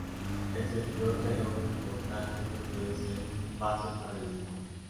El servidor que aloja el portal solo puede ser un "pase" para el usuario.